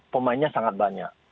pemainnya sangat banyak